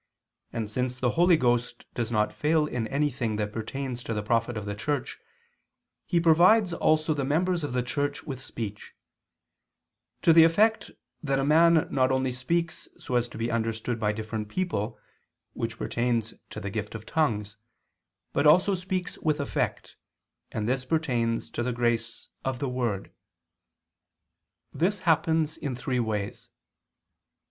And since the Holy Ghost does not fail in anything that pertains to the profit of the Church, He provides also the members of the Church with speech; to the effect that a man not only speaks so as to be understood by different people, which pertains to the gift of tongues, but also speaks with effect, and this pertains to the grace of the word. This happens in three ways.